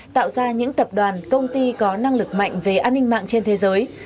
tạo ra những tập đoàn công ty có năng lực mạnh về an ninh mạng trên thế giới